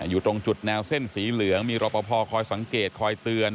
อยู่ตรงจุดแนวเส้นสีเหลืองมีรอปภคอยสังเกตคอยเตือน